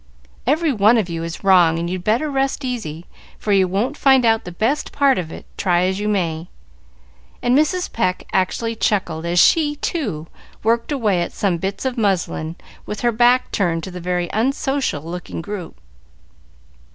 "Every one of you is wrong, and you'd better rest easy, for you won't find out the best part of it, try as you may." And Mrs. Pecq actually chuckled as she, too, worked away at some bits of muslin, with her back turned to the very unsocial looking group.